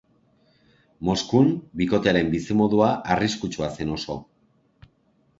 Moskun, bikotearen bizimodua arriskutsua zen oso.